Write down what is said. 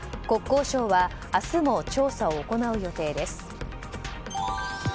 国交省は明日も調査を行う予定です。